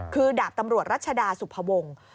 คือดาบตำรวจรัชดาสุภวงศ์